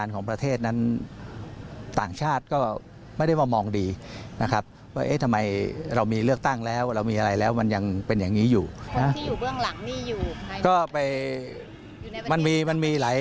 ก็พูดแบบหลักวิชาการไม่ได้พูดถึงสถานการณ์ใดสถานการณ์หนึ่งไม่ได้กล่าวถึงชื่อใคร